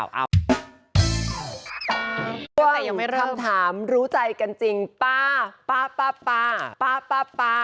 ว่างคำถามรู้ใจกันจริงป๊า